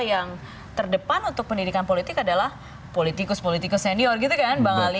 yang terdepan untuk pendidikan politik adalah politikus politikus senior gitu kan bang ali